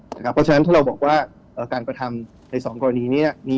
เพราะฉะนั้นถ้าเราบอกว่าการกระทำใน๒กรณีนี้